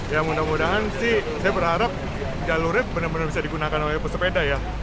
ya mudah mudahan sih saya berharap jalurnya benar benar bisa digunakan oleh pesepeda ya